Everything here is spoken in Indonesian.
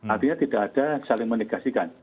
artinya tidak ada saling menegasikan